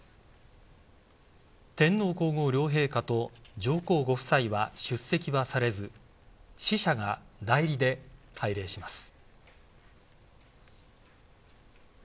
天皇・皇后両陛下と上皇ご夫妻は出席はされず使者が代理で拝礼します。